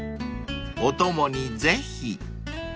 ［お供にぜひ］